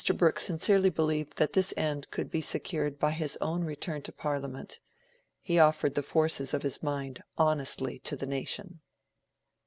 Brooke sincerely believed that this end could be secured by his own return to Parliament: he offered the forces of his mind honestly to the nation.